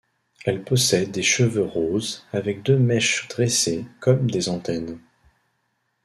Elle possède des cheveux roses, avec deux mèches dressées comme des antennes.